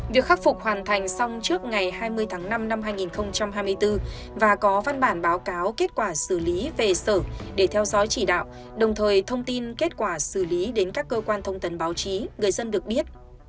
việc khắc phục hoàn thành xong trước ngày hai mươi tháng năm năm hai nghìn hai mươi bốn và có văn bản báo cáo kết quả xử lý về sở để theo dõi chỉ đạo đồng thời thông tin kết quả xử lý đến các cơ quan thông tần báo chí người dân được biết